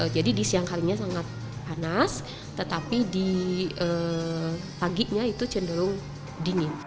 jadi di siang harinya sangat panas tetapi di paginya itu cenderung dingin